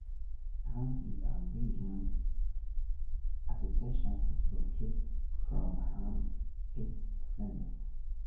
Hamme is a Belgian association football club from Hamme in East Flanders.